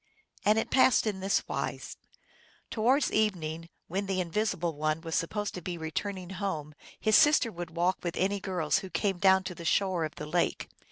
And it passed in this wise. Towards evening, when the Invisible One was supposed to be returning home, his sister would walk with any girls who came down to the shore of the lake.